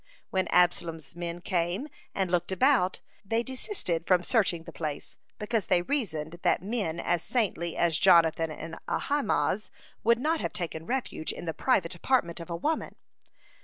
When Absalom's men came and looked about, they desisted from searching the place, because they reasoned, that men as saintly as Jonathan and Ahimaaz would not have taken refuge in the private apartment of a woman.